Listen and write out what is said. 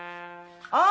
あ！